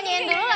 libur telah tiba